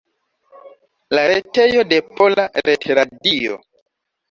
La retejo de Pola Retradio.